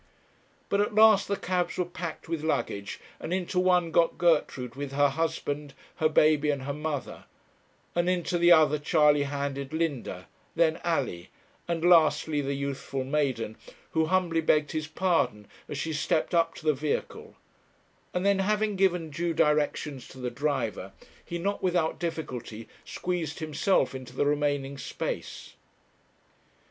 But at last the cabs were packed with luggage, and into one got Gertrude with her husband, her baby, and her mother; and into the other Charley handed Linda, then Alley, and lastly, the youthful maiden, who humbly begged his pardon as she stepped up to the vehicle; and then, having given due directions to the driver, he not without difficulty squeezed himself into the remaining space.